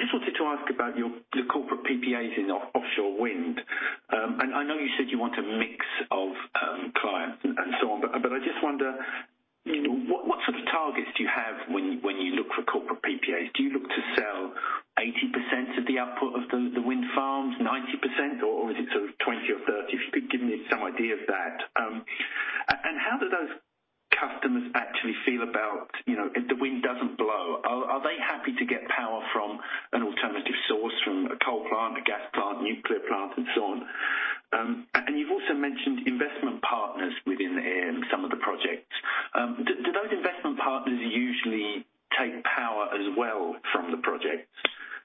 Just wanted to ask about your corporate PPAs in offshore wind. I know you said you want a mix of clients and so on, but I just wonder, what sort of targets do you have when you look for corporate PPAs? Do you look to sell 80% of the output of the wind farms, 90%, or is it sort of 20 or 30? If you could give me some idea of that. How do those customers actually feel about if the wind doesn't blow? Are they happy to get power from an alternative source, from a coal plant, a gas plant, nuclear plant, and so on? You've also mentioned investment partners within some of the projects. Do those investment partners usually take power as well from the projects?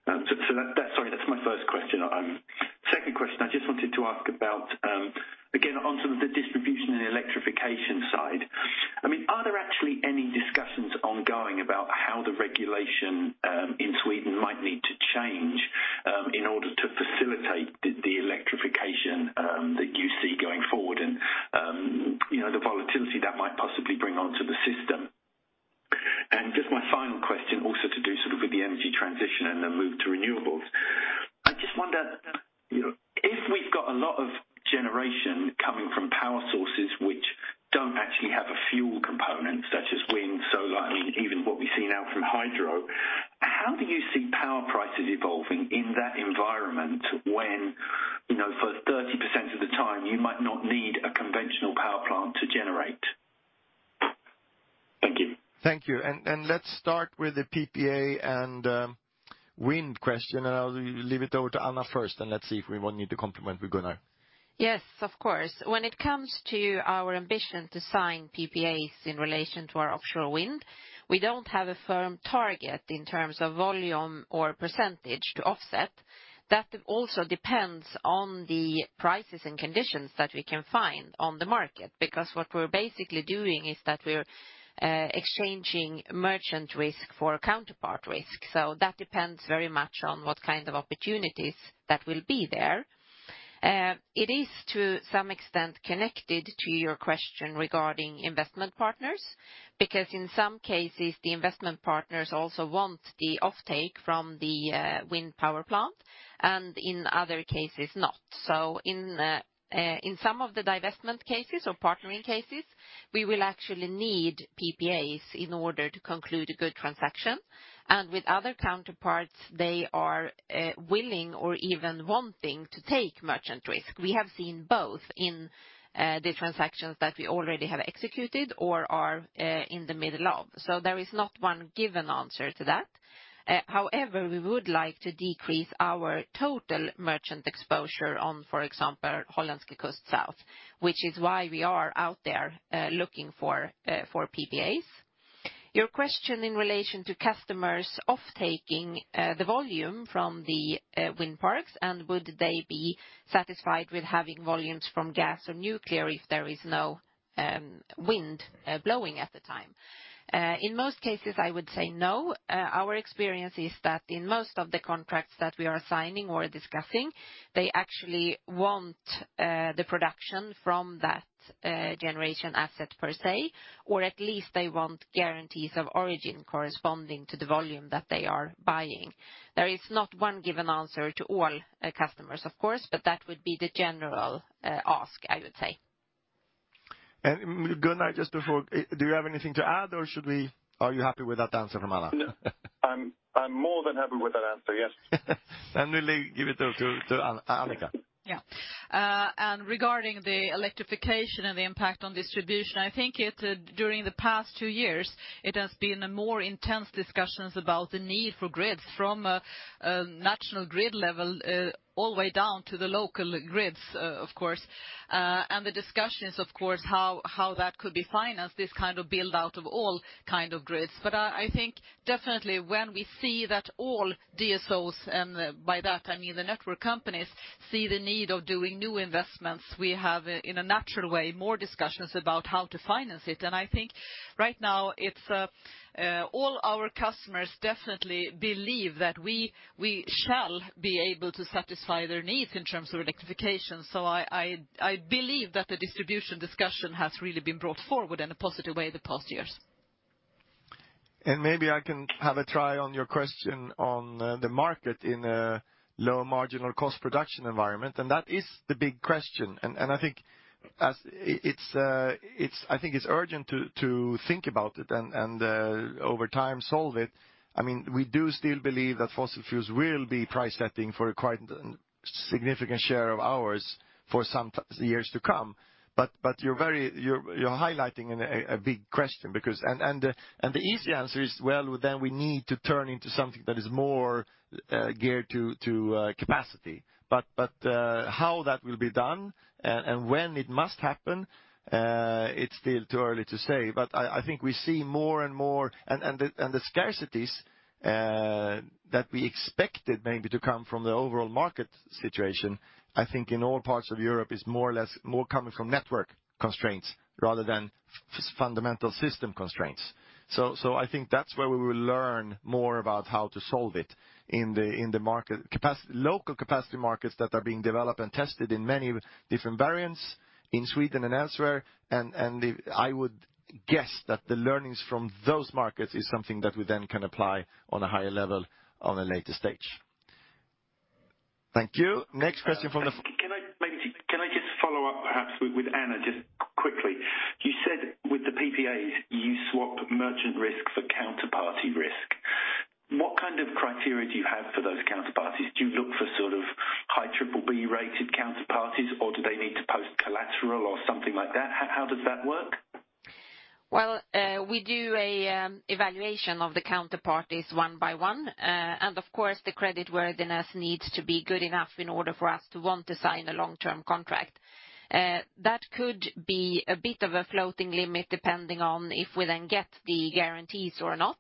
Sorry, that's my first question. Second question, I just wanted to ask about, again, on sort of the distribution and electrification side. Are there actually any discussions ongoing about how the regulation in Sweden might need to change in order to facilitate the electrification that you see going forward, and the volatility that might possibly bring onto the system? Just my final question, also to do sort of with the energy transition and the move to renewables. I just wonder, if we've got a lot of generation coming from power sources which don't actually have a fuel component such as wind, solar, even what we see now from hydro, how do you see power prices evolving in that environment when, for 30% of the time, you might not need a conventional power plant to generate? Thank you. Thank you. Let's start with the PPA and wind question. I'll leave it over to Anna first. Let's see if we want you to complement with Gunnar. Yes, of course. When it comes to our ambition to sign PPAs in relation to our offshore wind, we don't have a firm target in terms of volume or percentage to offset. That also depends on the prices and conditions that we can find on the market. What we're basically doing is that we're exchanging merchant risk for counterpart risk. That depends very much on what kind of opportunities that will be there. It is to some extent connected to your question regarding investment partners, because in some cases, the investment partners also want the offtake from the wind power plant, and in other cases, not. In some of the divestment cases or partnering cases, we will actually need PPAs in order to conclude a good transaction. With other counterparts, they are willing or even wanting to take merchant risk. We have seen both in the transactions that we already have executed or are in the middle of. There is not one given answer to that. However, we would like to decrease our total merchant exposure on, for example, Hollandse Kust Zuid, which is why we are out there looking for PPAs. Your question in relation to customers off-taking the volume from the wind parks and would they be satisfied with having volumes from gas or nuclear if there is no wind blowing at the time. In most cases, I would say no. Our experience is that in most of the contracts that we are signing or discussing, they actually want the production from that generation asset per se, or at least they want guarantees of origin corresponding to the volume that they are buying. There is not one given answer to all customers, of course, but that would be the general ask, I would say. Gunnar, just before, do you have anything to add or are you happy with that answer from Anna? I'm more than happy with that answer, yes. We'll give it to Annika. Yeah. Regarding the electrification and the impact on distribution, I think during the past two years, it has been a more intense discussions about the need for grids from a national grid level all the way down to the local grids, of course. The discussions, of course, how that could be financed, this kind of build-out of all kind of grids. I think definitely when we see that all DSOs, and by that I mean the network companies, see the need of doing new investments, we have, in a natural way, more discussions about how to finance it. I think right now, all our customers definitely believe that we shall be able to satisfy their needs in terms of electrification. I believe that the distribution discussion has really been brought forward in a positive way the past years. Maybe I can have a try on your question on the market in a low marginal cost production environment, and that is the big question. I think it's urgent to think about it and, over time, solve it. We do still believe that fossil fuels will be price setting for quite a significant share of ours for some years to come. You're highlighting a big question. The easy answer is, well, then we need to turn into something that is more geared to capacity. How that will be done and when it must happen, it's still too early to say. I think we see more and more, and the scarcities that we expected maybe to come from the overall market situation, I think in all parts of Europe, is more or less more coming from network constraints rather than fundamental system constraints. I think that's where we will learn more about how to solve it in the local capacity markets that are being developed and tested in many different variants in Sweden and elsewhere. I would guess that the learnings from those markets is something that we then can apply on a higher level, on a later stage. Thank you. Next question from the- Can I just follow up, perhaps, with Anna, just quickly. You said with the PPAs, you swap merchant risk for counterparty risk. What kind of criteria do you have for those counterparties? Do you look for sort of high BBB-rated counterparties, or do they need to post collateral or something like that? How does that work? We do a evaluation of the counterparties one by one. Of course, the credit worthiness needs to be good enough in order for us to want to sign a long-term contract. That could be a bit of a floating limit, depending on if we then get the guarantees or not.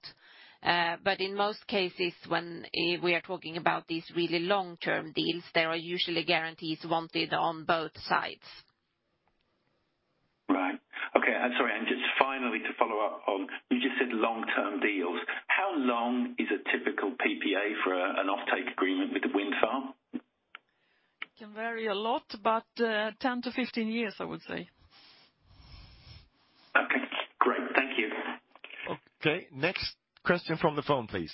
In most cases, when we are talking about these really long-term deals, there are usually guarantees wanted on both sides. Right. Okay. I'm sorry, just finally, to follow up on, you just said long-term deals. How long is a typical PPA for an off-take agreement with a wind farm? It can vary a lot, but 10-15 years, I would say. Okay, great. Thank you. Okay, next question from the phone, please.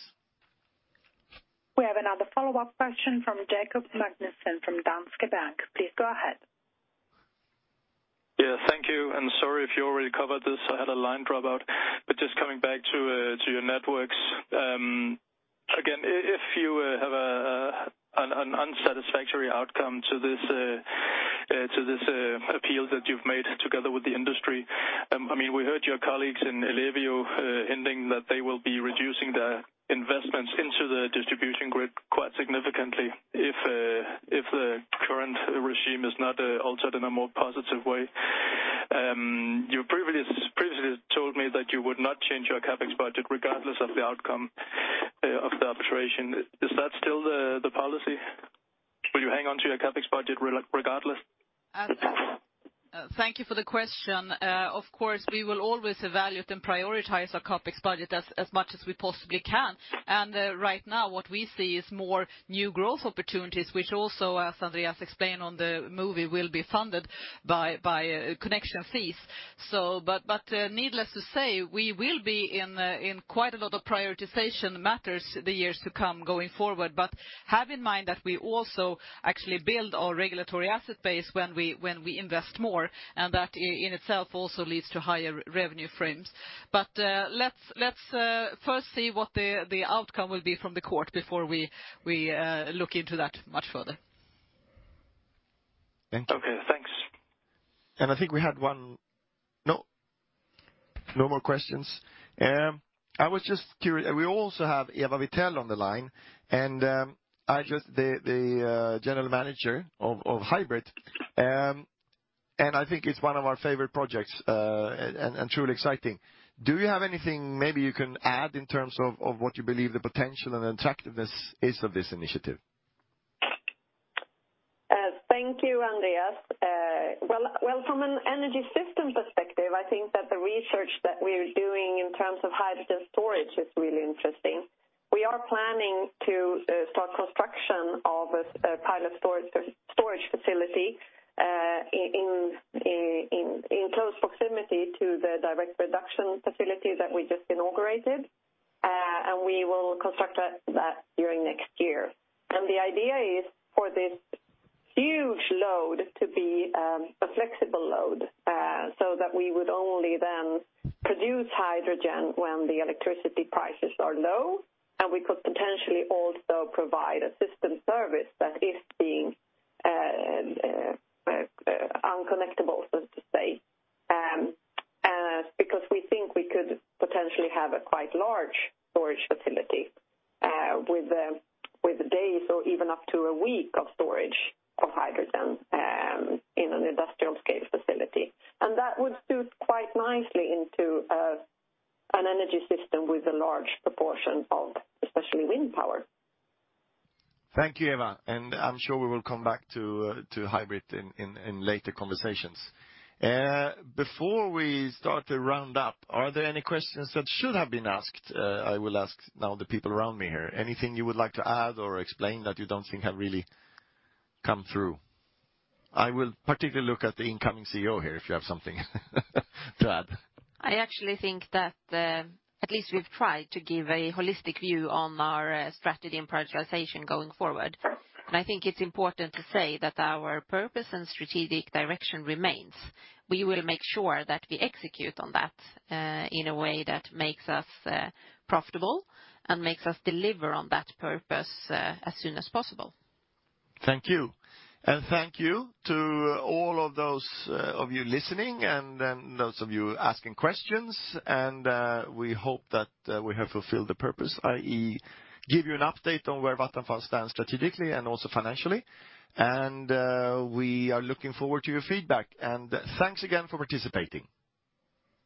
We have another follow-up question from Jakob Magnussen from Danske Bank. Please go ahead. Yeah, thank you. Sorry if you already covered this. I had a line dropout. Just coming back to your networks, again, if you have an unsatisfactory outcome to this appeal that you've made together with the industry, we heard your colleagues in Ellevio hinting that they will be reducing the investments into the distribution grid quite significantly if the current regime is not altered in a more positive way. You previously told me that you would not change your CapEx budget regardless of the outcome of the arbitration. Is that still the policy? Will you hang on to your CapEx budget regardless? Thank you for the question. Of course, we will always evaluate and prioritize our CapEx budget as much as we possibly can. Right now what we see is more new growth opportunities, which also, as Andreas explained on the movie, will be funded by connection fees. Needless to say, we will be in quite a lot of prioritization matters the years to come going forward. Have in mind that we also actually build our regulatory asset base when we invest more, and that in itself also leads to higher revenue frames. Let's first see what the outcome will be from the court before we look into that much further. Okay, thanks. I think we had one No. No more questions. I was just curious, we also have Eva Vitell on the line, the general manager of HYBRIT, and I think it's one of our favorite projects, and truly exciting. Do you have anything maybe you can add in terms of what you believe the potential and attractiveness is of this initiative? Thank you, Andreas. Well, from an energy system perspective, I think that the research that we're doing in terms of hydrogen storage is really interesting. We are planning to start construction of a pilot storage facility in close proximity to the direct production facility that we just inaugurated. We will construct that during next year. The idea is for this huge load to be a flexible load, so that we would only then produce hydrogen when the electricity prices are low, and we could potentially also provide a system service that is being uncollectible, so to say, because we think we could potentially have a quite large storage facility, with days or even up to a week of storage of hydrogen in an industrial scale facility. That would suit quite nicely into an energy system with a large proportion of especially wind power. Thank you, Eva. I'm sure we will come back to HYBRIT in later conversations. Before we start to round up, are there any questions that should have been asked? I will ask now the people around me here. Anything you would like to add or explain that you don't think have really come through? I will particularly look at the incoming CEO here, if you have something to add. I actually think that at least we've tried to give a holistic view on our strategy and prioritization going forward. I think it's important to say that our purpose and strategic direction remains. We will make sure that we execute on that in a way that makes us profitable and makes us deliver on that purpose as soon as possible. Thank you. Thank you to all of you listening and then those of you asking questions, and we hope that we have fulfilled the purpose, i.e., give you an update on where Vattenfall stands strategically and also financially. We are looking forward to your feedback, and thanks again for participating.